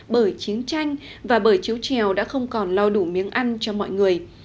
bởi chiến tranh và bởi chiếu trèo đã không còn lo đủ miếng ăn cho mọi người